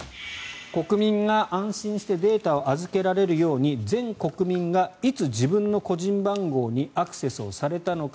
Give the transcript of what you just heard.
国民が安心してデータを預けられるように全国民が、いつ自分の個人番号にアクセスされたのか